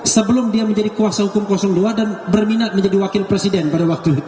sebelum dia menjadi kuasa hukum dua dan berminat menjadi wakil presiden pada waktu itu